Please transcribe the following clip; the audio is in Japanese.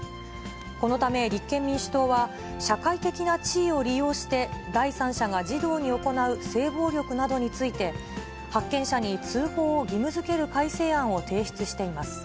このため、立憲民主党は、社会的な地位を利用して第三者が児童に行う性暴力などについて、発見者に通報を義務づける改正案を提出しています。